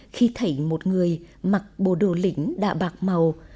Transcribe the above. khi thấy một người mặc bồ đồ lĩnh đạ bạc màu